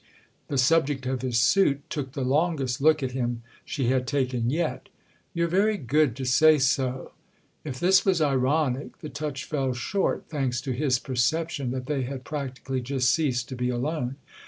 The subject of his suit took the longest look at him she had taken yet. "You're very good to say so!" If this was ironic the touch fell short, thanks to his perception that they had practically just ceased to be alone.